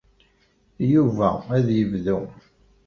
Yuba ad yebdu.